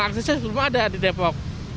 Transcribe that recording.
aksesnya belum ada di depok